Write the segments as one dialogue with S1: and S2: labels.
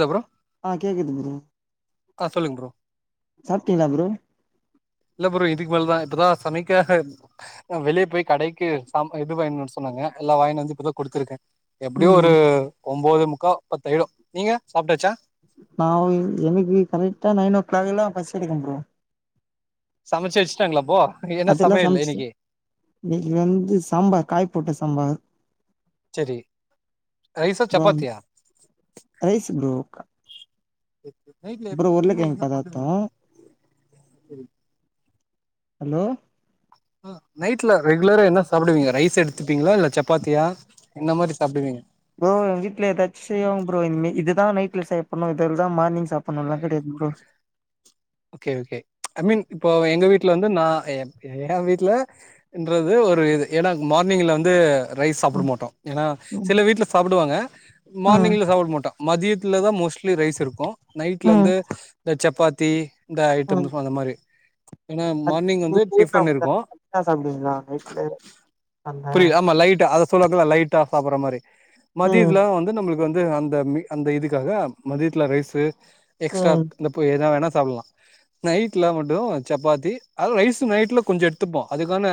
S1: கப்றோ
S2: ஆ கேக்குது bro
S1: bro
S2: சாப்ட்டீங்களா ப்ரோ
S1: இல்ல ப்ரோ இதுக்கு மேலதா இப்பதா சமைக்க ஹ வெளியே போய் கடைக்கு சாம் இது வாங்கினு வர சொன்னாங்க எல்லா வாங்கினு வந்து இப்பதா குடுத்துருக்கே எப்படியோ ஒரு
S2: ம்
S1: ஒன்போது முக்கா பத்தாயிடோ நீங்க சாப்ட்டாச்சா
S2: நா வ எனக்கு கரெக்டா நைன் ஓ கிளாக் எல்லா பசி எடுக்கோ ப்ரோ
S1: சமச்சு வச்சுட்டாங்களா அப்போ என்ன
S2: அதெல்லா
S1: சமையல்
S2: சமச்சு
S1: இன்னைக்கு
S2: இன்னைக்கி வந்து சாம்பார் காய் போட்ட சாம்பார்
S1: செரி ரைசா சப்பாத்தியா
S2: ரைஸூ ப்ரோ கா
S1: நைட்ல எப் எப்பமே
S2: உருளைக்கிழங்கு
S1: என்ன
S2: பதார்த்தோ
S1: பண்ணுவீங்க
S2: ஹலோ
S1: ஆ நைட்ல ரெகுலரா என்ன சாப்பிடுவீங்க ரைஸ் எடுத்துப்பீங்களா இல்ல சப்பாத்தியா எந்த மாரி சாப்டுவீங்க
S2: ப்ரோ வீட்டுல ஏதாச்சு செய்வங்க ப்ரோ இனிமே இதுதா நைட்ல செய்யப்பட்ணு இதுலதா மார்னிங் சாப்புட்ணுலா கிடயாது bro
S1: okay okay I mean இப்போ எங்க வீட்டுல வந்து நா எப் ஏ வீட்டுல ன்றது ஒரு இது எனக் மார்னிங்ல வந்து ரைஸ் சாப்ட
S2: ம்
S1: மாட்டோ ஏனா
S2: ம்
S1: செல வீட்ல சாப்பிடுவாங்க
S2: ம்
S1: மார்னிங்க்ல சாப்பிட மாட்ட மதியத்துல தா மோஸ்ட்லி ரைஸ் இருக்கோ நைட்ல
S2: ம்
S1: வந்து இந்த சப்பாத்தி இந்த
S2: ம்
S1: ஐட்டம் அந்த மாரி என்ன மார்னிங் வந்து டிஃபன் இருக்கு
S2: சாப்டுவீங்களா நைட்ல அந்த
S1: புரியுது ஆமா லைட்டா அத சொல்லாக லைட்டா சாப்படுற மாரி
S2: ம்
S1: மதியத்துல வந் து நம்மளுக்கு வந்து அந்த அந்த இதுக்காக மதியத்துல ரைசு எக்ஸ்ட்ரா
S2: ம்
S1: ல போய் எதாவேனாசாப்லா நைட்ல மட்டு சப்பாத்தி அது ரைஸ் நைட்ல கொஞ்சோ எடுத்துப்போ அதுக்கான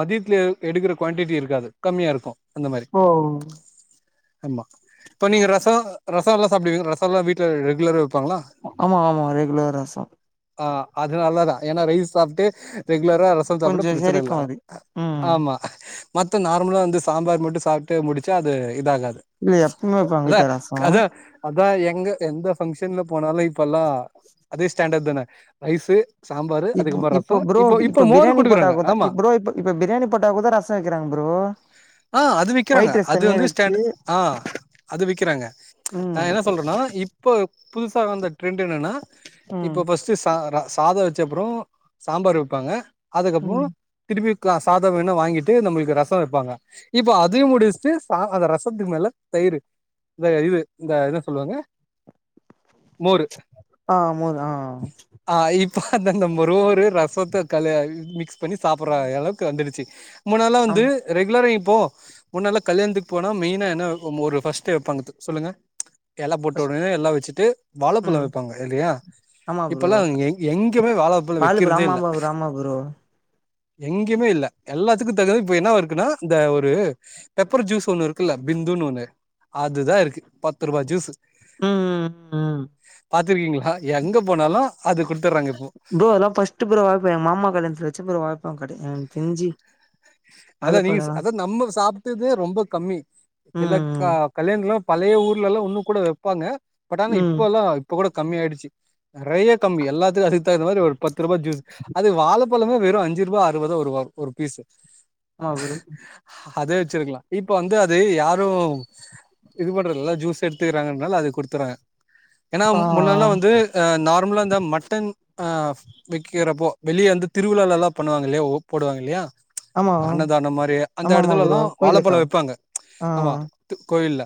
S1: மதியத்துல எடுக்கற குவான்டிட்டி இருக்காது கம்மியா இருக்கு அந்த மாரி
S2: ஓ
S1: ஆமா இப்ப நீங்க ரசோ ரசோல்லா சாப்டுவீங்க ரசல்லா வீட்டுல ரெகுலரா வெப்பாங்களா
S2: ஆமா ஆமா ரெகுலர் ரசோ
S1: அ அதுனல்லதா ஏன்னா ரைஸ் சாப்ட்டு ரெகுலரா ரசோ சாப்ட்டா
S2: கொஞ்சோ
S1: ப்ரச்சன
S2: செரிக்கு
S1: இல்ல
S2: அது ம்
S1: ஆமா மத்த நார்மலா வந்து சாம்பார் மட்டு சாப் ட்டு முடுச்சா அது இதாகாது
S2: இல்ல எப்பவுமே வெப்பாங்க
S1: அத
S2: வீட்ல ரசோ
S1: கத அதா எங்க எந்த ஃபங்க்ஷன்ல போனாலு இப்பல்லா சேண்ட தன ரைஸு சாம்பாரு
S2: இப்ப
S1: அதுக்கப்புறோ ரசோ
S2: இப்போ புரோ இப்போ
S1: மோரு
S2: பிரியாணி
S1: குடுக்குறாங்க
S2: போட்டாக்குதா
S1: ஆமா
S2: இப்ரோ இப்ப இப்ப பிரியாணி போட்டாக்குதா ரஸ் ரசோ வெக்கிறாங்க ப்ரோ
S1: அ அது விக்கிறாங்க
S2: ஒயிட் ரைஸ்
S1: அது
S2: தனியா
S1: வந்து
S2: வெச்சு
S1: ஸ்டாண்ட் அ அது விக்கிறாங்க நா
S2: ம்
S1: என்ன சொல்றேனா இப்ப புதுசா வந்த ட்ரெண்ட் என்னனா
S2: ம்
S1: இப்போ ஃபஸ்ட்டு ச சாதோ வச்ச அப்புறோ சாம்பார் வெப்பாங்க அதுக்கப்புறோ
S2: ம்
S1: திரும்பி க சாதோ வேணா வாங்கிட்டு நம்மளுக்கு ரசோ வெப்பாங்க இப்ப அதையு முடிஸ்ட்டு ச அநாத ரசத்துக்கு மேல தயிறு இந்த இது இந்த என்ன சொல்லுவாங்க மோரு
S2: அ ஆமாங் அ
S1: அ இப்ப அந்த மொறு ஒரு ரசத்தக்கலா மிக்ஸ் பண்ணி சாப்பிடுற அளவுக்கு வந்துடுச்சு முன்னால
S2: ஆம்
S1: வந்து ரெகுலரா இப்போ முன்னல்லா கல்யாணத்துக்கு போனா மெயினா என்ன வெப்பொ மொறு பர்ஸ்ட்டெ வெப்பாங்க சொல்லுங்க எல போட்ட
S2: ஃபஸ்ட்
S1: உடனே எல்லா வச்சுட்டு வாழப்பழோ
S2: ம்
S1: வெப்பாங்க இல்லையா
S2: ஆமா ப்ரோ
S1: இப்பல்லா எங் எங்யுமே வாழாப்பழோ
S2: வாழப்பழோ
S1: வெக்கிறதே
S2: ஆமா
S1: இல்ல
S2: ஆமா ப்ரோ ஆமா ப்ரோ
S1: எங்கேயுமே இல்ல எல்லாத்துக்கு தகு இப்ப என்னவா இருக்குன்னா இந்த ஒரு பெப்பர் ஜூஸ் ஒண்ணு இருக்குல்ல பிந்துன் ஒண்ணு அதுதா இருக்கு பத்து ரூபா ஜூஸ்சு
S2: ம் உம் உம் உம்
S1: பார்த்துருக்கீங்களா எங்க போனாலு அது குடுத்துறாங்
S2: ப்ரோ அதுலா ஃபர்ஸ்ட்டு ப்ரோ அ இப்ப எ மாமா கல்யணத்துல வெச்ச ப்ரோ வாழப்பழம் [unintelligible]
S1: அதா நீங்க ச அது நம்ம சாப் டதே ரொம்ப கம்மி [inaudible]
S2: ம்
S1: க
S2: ம்
S1: கல்யாணத்திலா பழைய ஊர்லல்லா ஒன்னு கூட வெப்பாங்க பட் ஆனா
S2: ம்
S1: இப்ப எல்லா இப்ப கூட கம்மியாடுச்சு நெறைய கம்மி எல்லாத்துக்கு அதுக்கு தகுந்த மாரி ஒரு பத்து ரூபா ஜூஸ் அது வாழப்பழமே வெறு அஞ்சு ரூபா ஆறு ரூபாதா வரு ஒர் ஒரு பீஸ்
S2: ஆ வெறு
S1: அதே வெச்சிருக்கலா இப்ப வந்து அதை யாரு இது பண்றதுலா ஜூஸ் எடுத்துறாங்கனால அது குடுத்துறாங்க ஏன்னா
S2: ஆ
S1: மு முன்னெல்லா வந்து நார்மலா இந்த மட்டன் அ வெக்கிறப்போ வெளியே வந்து திருவிழாவலாலல்லா பண்ணுவாங்கில்லயா ஓ போடுவாங்கில்லயா
S2: ஆமா
S1: அ அன்னதாம் மாரி அந்த
S2: ஆமா ஆமா ப்ரோ
S1: எடத்துலலெல்லா வாழப்பழ
S2: கோயிலுக்கா
S1: வெப்பாங்க
S2: ஆ
S1: ஆமா து கோயில்ல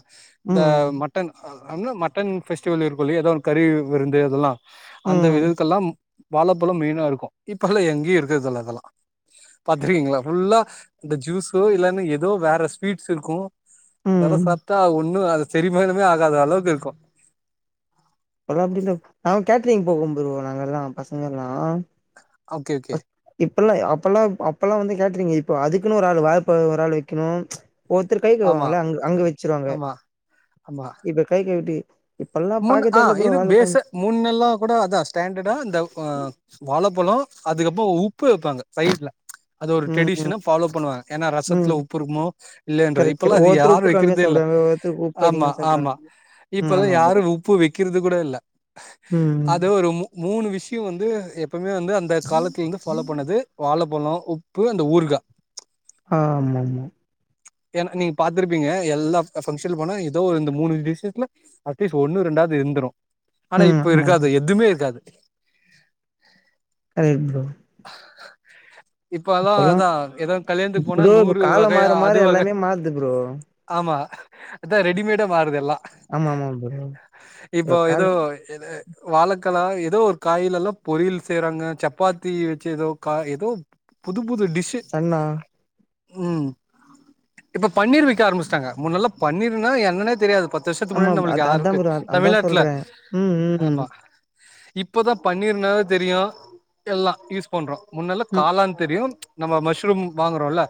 S1: இந்த ம
S2: ம்
S1: மட்டன் அ மட்டன் பெஸ்டிவல் இருக்குல்லயா ஏதோன் ஒரு கறி விருந்து அதெல்லா அந்த
S2: ம்
S1: இதுஇதுக்கெல்லாம் வாழப்பழ மெயினா இருக்கு இப்ப எல்லா எங்கயு இருக்குறதில்ல அதெல்லா பாத்துருக்கீங்களா ஃபுல்லா இந்த ஜூஸோ இல்லேனா ஏதோ வேற ஸ்வீட்ஸ் இருக்கு அதெல்லா
S2: ம்
S1: சாப்ட்டா ஒன்னு ஆகாது செரிமானமே ஆகாத அளவுக் இருக்கு
S2: இப்பலா அப்டியில் ஆ கேட்டரிங் போவோ ப்ரோ நாங்கெல்லா பசங்கெல்லா
S1: ஓகே ஓகே
S2: இப்பெல்லா ஏ அப்பெல்லா அப்பல்லா வந்து கேட்டரிங் இப்போ அதுக்குன்னு ஒரு ஆளு வாழப்பழ ஒரு ஆள் வெக்கணு அப் ஒருத்தர் கை
S1: ஆமா
S2: களுவாங்கள அங் அங்க வெச்சிருவாங்க
S1: ஆமா ஆமா
S2: இப்ப கை களுவ்ட்டு இப்பெல்லா
S1: முன் ஆ
S2: பாக்றதேயில்ல ப்ரோ
S1: இது
S2: வாழப்பழ்
S1: பேஸ முன்னெல்லா கூட அதா ஸ்டாண்டடா அந்த அ வாழப்பழோ அதுக்கப்போ உப்பு வெப்பாங்க சைட்ல அது ஒரு
S2: ம் ம்
S1: ட்ரெடிஷன ஃபாலோ பண்ணுவாங்க ஏன்னா
S2: ம்
S1: ரசத்துல உப்பு இருக்குமோ இல்லேயன்ற இப்பெல்லா அது யார் வெக்கிறதே
S2: ப்ரோ
S1: இல்
S2: [unintelligible] உப்பு அதிகமா சாப்ட்றா
S1: இப்பெல்லா யார் உப்பு வெக்கிறது கூட இல்ல
S2: ம்
S1: அது ஒரு மூணு விஷ்யோ வந்து எப்வுமே வந்து அந் அந்த காலத்தலிர்ந்து ஃபாலோ பண்ணது வாழப்பழம் உப்பு அந்த ஊர்கா
S2: ஆ ஆம்மாம்மா
S1: எனக் நீங்க பாத்துருப்பீங்க எல்லா ஃப ஃபங்க்ஷன் போனா ஏதோ ஒரு இந்த மூணு விஷயத்துல அட்லீஸ்ட் ஒண்ணு ரெண்டாவது இருந்துரு ஆனா
S2: ம்
S1: இப்ப
S2: ஆமா ப்ரோ
S1: இருக்காது எத்துமே இருக்காது [inaudible]
S2: கரெக்ட் ப்ரோ
S1: [inaudible] இப்பல்லா அதா ஏதோ கல்யாணத்துக்கு போனா
S2: ப்ரோ இப்ப
S1: நூறு
S2: காலம்
S1: வகையா
S2: மாற மாற
S1: அது வகை
S2: எல்லாமே மாறுது ப்ரோ
S1: ஆமா அதா ரெடிமேடா மாறுதெல்லா
S2: ஆமா ஆமாம்
S1: இப்போ ஏதோ எதே வாழைக்கல ஏதோ ஒரு காயில எல்லா பொரியல் செய்யறாங்க சப்பாத்தி வச்சு ஏதோ கா ஏதோ புதுப் புது டிஷ்ஷு
S2: சன்னா
S1: ம் இப்ப பன்னீர் வக்க ஆரம்பிச்சட்டாங்க முன்னல்ல பன்னீர்னா என்னன்னே தெரியாது பத்து வருஷத்துக்கு
S2: ஆமா
S1: முன்னாடி நம்மளுக்கு
S2: அத அதா
S1: யாருக்கு
S2: ப்ரோ அதா
S1: தமிழ்நாட்டுல
S2: சொல்றே ம் ம்
S1: ஆமா இப்பதா பண்ணிருனாவே தெரிய எல்லா யூஸ் பண்றோ முன்னல்ல
S2: ம்
S1: காளான் தெரியு நம்ம மஷ்ரூம் வாங்குறோல்ல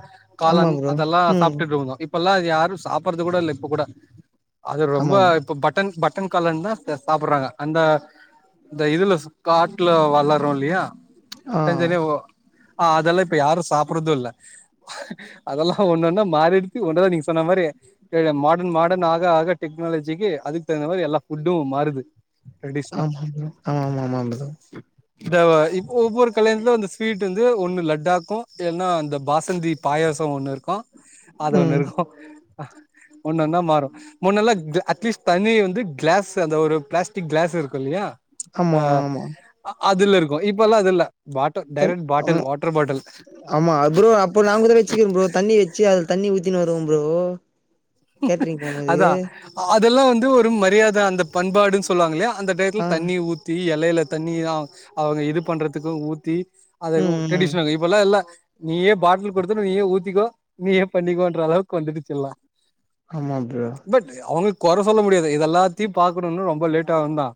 S2: ஆமா
S1: காளான்
S2: ப்ரோ
S1: அதெல்லா
S2: ம்
S1: சாப்பிட்டுட்டு இருந்தோ இ ப்பல்லாம் அது யாரு சாப்படுறது கூட இல்ல இப்ப கூட அது ரொம்ப
S2: ஆமா
S1: இப்ப ப ட்டன் பட்டன் காளான் தா சாப்பிடுறாங்க அந்த இந்த இதுல காட்டுல வளரு இல்லையா
S2: ஆ
S1: தனித்தனியா ஆ அதெல்லா இப்ப யாரு சாப்பறது இல்ல அதெல்லா ஒன்னொன்னா மாறிடுத்து ஒன்னதா நீங்க சொன்ன மாரி கே மாடன் மாடன் ஆக ஆக டெக்னாலஜிக்கி அதுக் கு தகுந்த மாரி எல்லா ஃபுட்டும் மாறுது ட்ரெடிஷனா
S2: ஆமா ப்ரோ ஆமா ஆமா ஆமா ப்ரோ
S1: இந்த இப்ப ஒவ்வொரு கல்யாணயத்துல அந்த ஸ்வீட் வந்து ஒன்னு லட்டாக்கு இல்லன்னா அந்த பாசந்தீப் பாயசோ ஒன்னு இருக்கு அது ஒண்ணு
S2: ம்
S1: இருக்கு அ ஒன்னன்னா மாறு முன்னல்லா ச அட்லீஸ்ட் தண்ணி வந்து கிளாஸ் அந்த ஒரு பிளாஸ்டிக் கிளாஸ் இருக்கு இல்லையா
S2: ஆமா
S1: அ
S2: ஆமா
S1: அ அதுல இருக்கு இப்ப எல்லா அது இல்ல பாட்டல்
S2: சரி
S1: டைரெக்ட் பாட்டில்
S2: ஆமா
S1: வாட்டர் பாட்டில்
S2: ஆமா ப்ரோ அப்பற நாகூட வச்சுருக்க ப்ரோ தண்ணி வச்சு அதுல தண்ணி ஊத்தினனு வருவோ ப்ரோ கேட்ரிங் போம்போது
S1: அதா அதெல்லா வந்து ஒரு மரியாதை அந்த பண்பாடுன்னு சொல்லுவாங்களல்லையா அந்த
S2: ஆ
S1: டயத்துல தண்ணி ஊத்தி எலையில தண்ணி அவங்க இது பண்றதுக்கு ஊத்தி அத
S2: ம் ம்
S1: டரெடிஷனலி இப்பல்லா இல்ல நீயே பாட்டில் கொடுதது நீயே ஊத்திக்கோ நீயே பண்ணிக்கோன்ற அளவுக்கு வந்துடுச்சுஎல்லா
S2: ஆமா ப்ரோ
S1: பட் அவங்க கொறை சொல்ல முடியாது இது எல்லாத்தையு பாக்கணுனு ரொம்ப லேட்டா இருந்தா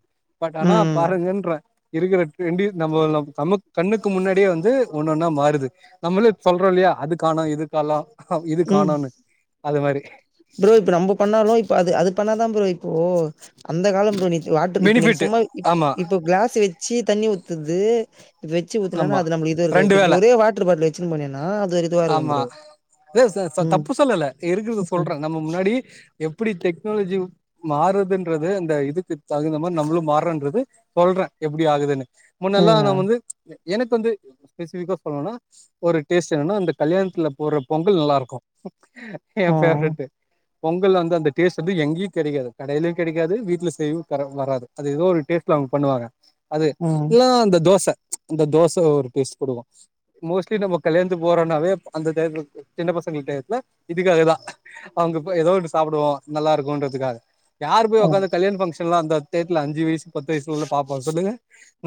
S1: பட் ஆனா
S2: ம்
S1: பாருங்கன்ற இருக்கிற ட்ரெண்டி நம்ம நம் நம்ம கண்ணுக்கு முன்னாடியே வந்து ஒண்ணு ஒன்னா மாறுது நம்மளே சொல்றோ இல்லையா அது காணோ இது காலோ இது
S2: ம்
S1: காணோனு அது மாரி
S2: ப்ரோ இப்ப நம்ம பண்ணாலு இப்ப அது அது பண்ணாதா ப்ரோ இப்போ அந்த காலோ ப்ரோ நீ வாட்டர் இப்ப நீ
S1: பெனிஃபிட்
S2: சும்மா இப்
S1: ஆமா
S2: இப்ப கிளாஸ் வெச்சு தண்ணி ஊத்துது இப்ப வச்சு ஊத்துனன்னா
S1: ஆமா
S2: அது நம்ம இது
S1: ரெண்டு
S2: இருக்காது
S1: வேல
S2: இப்ப ஒரே வாட்டர் பாட்டில் வச்சு போனின்னா அது ஒரு இதுவா இருக்கு ப்ரோ
S1: இதே ச ச
S2: ம்
S1: தப்பு சொல்லல இருக்குறத
S2: ம்
S1: சொல்றே நம்ம முன்னாடி எப்டி டெக்னாலஜி மாறுதுன்றது அந்த இதுக்கு தகுந்த மாதிரி நம்மளு மாறுறன்றது சொல்றே எப்டி ஆகுதுன்னு முன்னெல்லா
S2: ம் ஆ
S1: நான் வந்து எனக்கு வந்து ஸ்பெசிபிக்காக சொல்லணோன்னா ஒரு டேஸ்ட் என்னன்னா அந்த கல்யாணத்துல போடுற பொங்கல் நல்லா இருக்கு எ
S2: ஆ
S1: பேஃவரட்டு பொங்கல் வந்து அந்த டேஸ்ட் வந்து எங்கயு கெடைகாது கடையிலயு கெடைகாது வீட்டல செய்யவு வ வராது அது ஏதோ ஒரு டேஸ்ட்ல அவங்க பண்ணுவாங்க அது எ அந்த தோச அந்த தோசை ஒரு டேஸ்ட் கொடுக்கு மோஸ்ட்லி நம்ம கல்யாணத்து போறோனாவே அந்த தேத்து சின்ன பசங்கள டையத்துல இதுக்காக தா அவங்க ஏதோன்று சாப்படுவ நல்லா இருக்குன்றதுக்காக யாரு போய்
S2: ஆ
S1: உட்காந்து கல்யணன ஃபங்கஷலா அந்தத்து டேட்ல அஞ்சு வயசு பத்து வயசுலல பாப்பா சொல்லுங்க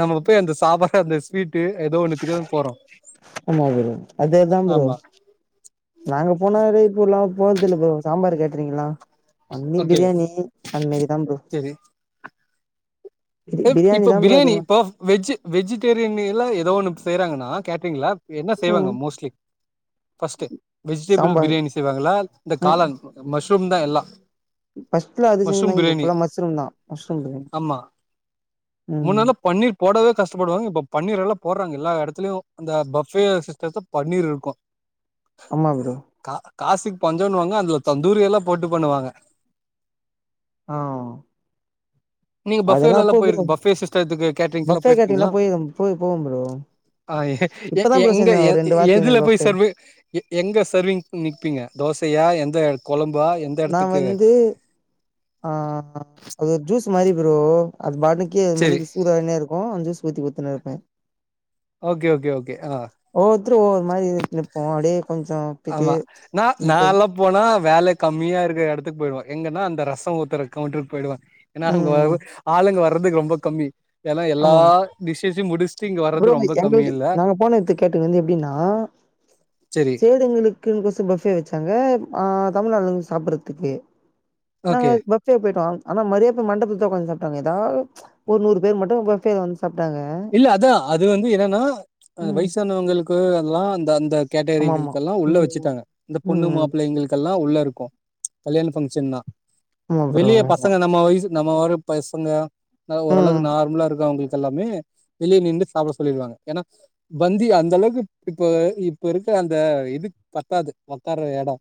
S1: நம்ம போய் அந்த சாப்பார் அந்த ஸ்வீட்டு ஏதோ ஒண்ணுத்துக்கு தா போறோ
S2: ஆமா ப்ரோ அதே தா ப்ரோ
S1: ஆமா
S2: நாங்க போன வேடே இப்போ எல்லா போறதுல ப்ரோ சாம்பார் கேட்டுறீங்களா ஒன்லி
S1: ஓகே
S2: பிரியாணி அந்தமாரி தா ப்ரோ
S1: இப்போ
S2: தான் ப்ரோ
S1: பிரியாணி
S2: அதிகமா
S1: இப்போ வெஜ் வெஜிடேரியன் எல்லா ஏதோ ஒண்ணு செய்யறாங்கன்னா கேட்டறீங்களா என்ன செய்வாங்க
S2: ம்
S1: mostly first vegetable
S2: sambar
S1: biryani செய்வாங்களா இந்த காலன் மஷ்ரூம் தா எல்லா
S2: ஃபர்ஸ்ட் அதிங்கந்தா
S1: மஷ்ரூம்
S2: இப்ப
S1: பிரியாணி
S2: ஃபுல்லா மஷ்ரூம் தா மஷ்ரூம் பிரியாணி ம்
S1: முன்னல்ல பன்னீர் போடவே கஷ்டப்படுவாங்க இப்ப பன்னீர்ல்லாம் போடுறாங்க எல்லா இடத்துலயு இந்த பஃபே சிஸ்டத்த பன்னீர் இருக்கும்
S2: ஆமா ப்ரோ
S1: கா காசிக்கு பஞ்சம்ன்னுவாங்க அதுல தந்தூரி எல்லா போட்டு பண்ணுவாங்க
S2: அ
S1: நீங்க பஃபேலல்லா போயிருக்கு பஃபே சிஸ்டத்துக்கு கேட்டரிங் எல்லா
S2: பஃபே கேட்டீங்னா
S1: போயிருக்கீங்களா
S2: போய் போய் போவோ ப்ரோ
S1: எ
S2: இப்பதா ப்ரோ
S1: எங்க
S2: செஞ்ச ஒரு ரெண்டு வாரத்துக்கு
S1: எதுல
S2: முன்னாடி
S1: போய்
S2: பஃபே
S1: சர்வே எங்க சர்விங் நிப்பீங்க தோசயா எந்த குழம்பா எந்த
S2: நா
S1: இடத்துக்கு
S2: வந்து ஆ அது ஜூஸ் மாரி ப்ரோ அது பாட்ணிக்கே
S1: செரி
S2: [unintelligible] சூதானே இருக்கும் சுூஸ் ஊத்தி குத்துன்னு இருப்ப
S1: ஓகே ஓகே ஓகே ஆ
S2: ஒவ்வருத்தரு ஒவ்வொரு மாதிரி இருத்துப்போ அப்டியே கொஞ்சோ விட்டு
S1: ஆமா நா
S2: நிப்போ
S1: நாலா போனா வேல கம்மியா இருக்கற இடத்துக்கு போயிடுவ எங்கன்னா அந்த ரச ஊத்துற கவுண்டருக்கு போயிடுவ ஏன்னா அங்க வ
S2: ம்
S1: ஆளுங்க வர்றதுக்கு ரொம்ப கம்மி ஏன்னா எல்லா
S2: ஆமா ஆமா
S1: டிஷஸு முடிச்
S2: ப்ரோ மை எங்களுக்கு நாங்க போன இது கேட்டுங்க வந்து எப்டின்னா
S1: செரி
S2: செய்றவங்களுக்கு எங்களுக்கு கொசர பஃப்பே வைச்சாங்க ஆ தமிழ் ஆளுங்க வந்து சாப்டறதுக்கு நாங்க
S1: ஓகே
S2: ஃபர்ஸ்டே போய்டோ ஆனா மரியா மண்டபத்த உக்காந்து சாப்ட்டாங்க ஏதாது ஒரு நூறு பேர் மட்டு பஃப்பே வந்து சாப்ட்டாங்க
S1: இல்ல அதா அது வந்து என்னன்னா அ
S2: ம்
S1: வயசானவங்களுக்கு அதெல்லா அந்த அந்த
S2: ஆமா ஆமா
S1: கேட்டகரிகளுக்குல்லா உள்ள
S2: ம்
S1: வச்சுட்டாங்க இந்த பொண்ணு
S2: ம்
S1: மாப்பிள்ளைங்களுக் கல்லா உள்ள இருக்கும் கல்யாண பங்கஷன்னா
S2: ஆமா ப்ரோ
S1: வெளிய
S2: ஆமா ஆமா
S1: பசங்க நம்ம வயசு நம்ம வர பசங்க ஓரளவுக்கு
S2: ம்
S1: நார்மலா இருக்க அவங்களுக்கு எல்லாமே வெளியே நின்டு சாப்ட சொல்லிடுவாங்க ஏன்னா பந்தி அந்த அளவுக்கு இப்ப இப்ப இருக்க அந்த இது பத்தாது உட்கார எட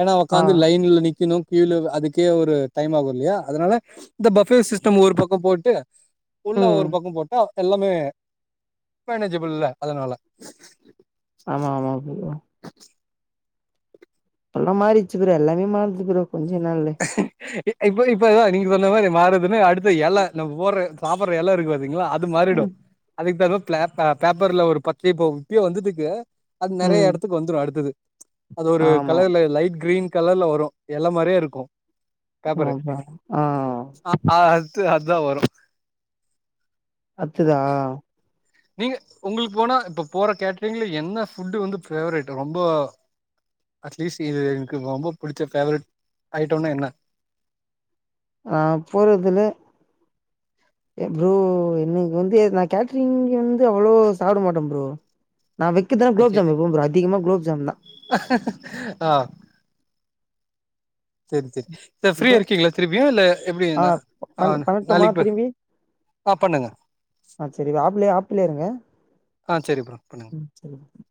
S1: ஏன்னா
S2: ஆ
S1: ஒக்காந்து லைன்ல நிக்கணு இலவு அதுக்கே ஒரு டைம் ஆகு இல்லயா அதனால இந்த பஃப்பே சிஸ்டம் ஒரு பக்க போட்டு உள்ள
S2: ம்
S1: ஒரு பக்கம் போட்டா எல்லாமே மேனேஜ்பிள் இல்ல அதனால
S2: ஆமா ஆமா ப்ரோ அல்லாம் மாறிடுச்சு ப்ரோ எல்லாமே மாறிடுச்சு ப்ரோ கொஞ்ச நால்ல
S1: ஹ [inaudible] இப்ப இப்பதா நீங்க சொன்ன மாரி மாறுறதுன்னு அடுத்த எலை நம்ம போடுற சாப்டடுற எலை இருக்கு பாத்தீங்களா மாறிடும்
S2: ம்
S1: அதுக்கு த பேப்ப பேப்பர்ல ஒரு பத்தி போ இப்பயோ வந்துட்ருக்கு அது நெறைய
S2: ம்
S1: எடத்துக்கு வந்துடு அடுத்தது அது ஒரு
S2: ஆமா
S1: கலர்ல லைட் கிரீன் கலர்ல வரோ எல மாரியே இருக்கோ
S2: ஆமா
S1: பேப்பரு
S2: ப்ரோ ஆ
S1: அ அ அது அதா வரோ
S2: அடுத்துதா
S1: நீங்க உங்களுக்கு போனா இப்ப போற கேட்றீங்கல என்ன ஃபுட்டு வந்து ஃபேவரட் ரொம்போ அட்லீஸ்ட் இது எனக்கு ரொம்ப பிடிச்ச ஃபேவரட் ஐட்டோனா என்னா
S2: ஆ போறதுல ஏ ப்ரோ இன்னிக்கு வந்து நா கேட்டரிங்க வந்து அவ்வளோ சாப்ட மாட்டே ப்ரோ நா வெக்கிறது குலோப்
S1: ஓகே
S2: ஜாம் எப்பவு அதிகமா குலோப் ஜாம் தா
S1: ஆ செரி செரி சார்
S2: குலோ
S1: ஃப்ரீயா இருக்கீங்களா திருப்பியு இல்ல எப்டி
S2: ஆ
S1: நா அ
S2: பண் பண்ணட்டுமா
S1: நாளைக்கி பே
S2: திரும்பி
S1: ஆ பண்ணுங்க
S2: ஆ செரி இது ஆப்புலே ஆப்பலயே இருங்க
S1: ஆ செரி ப்ரோ பண்ணுங்க
S2: [inaudible]